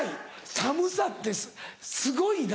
寒さってすごいな。